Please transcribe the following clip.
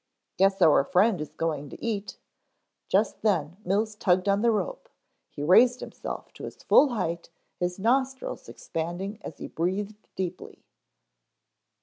"Guess our friend is going to eat " Just then Mills tugged on the rope, he raised himself to his full height, his nostrils expanding as he breathed deeply.